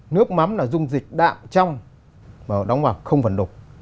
nước mắm là dung dịch đạm trong và đóng hoặc không phần đục